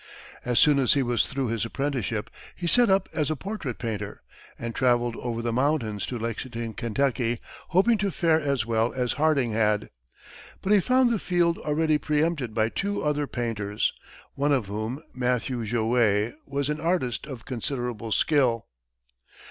As soon as he was through his apprenticeship he set up as a portrait painter, and travelled over the mountains to Lexington, Kentucky, hoping to fare as well as Harding had. But he found the field already pre empted by two other painters, one of whom, Matthew Jouett, was an artist of considerable skill.